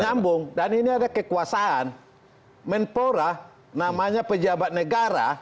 nyambung dan ini ada kekuasaan menpora namanya pejabat negara